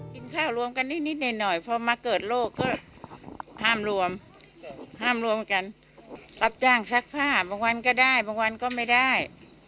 กินข้าวรวมกันนิดหน่อยพอมาเกิดโรคก็ห้ามรวมห้ามรวมกันรับจ้างซักผ้าบางวันก็ได้บางวันก็ไม่ได้